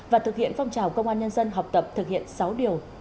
và thực hiện phong trào công an nhân dân học tập thực hiện sáu điều